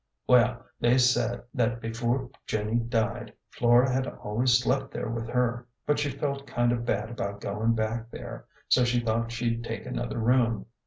Well, they said that before Jenny died, Flora had always slept there with her, but she felt kind of bad about goin' back there, so she thought she'd take another room.